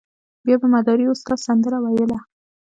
بیا به مداري استاد سندره ویله.